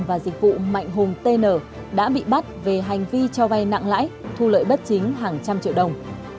và dịch vụ mạnh hùng tn đã bị bắt về hành vi cho vay nặng lãi thu lợi bất chính hàng trăm triệu đồng